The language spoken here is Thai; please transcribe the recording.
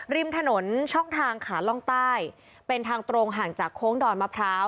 ริมถนนช่องทางขาล่องใต้เป็นทางตรงห่างจากโค้งดอนมะพร้าว